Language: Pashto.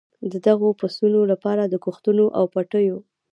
د دغو پسونو لپاره د کښتونو او پټیو.